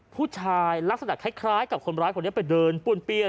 ลักษณะคล้ายกับคนร้ายคนนี้ไปเดินป้วนเปี้ยน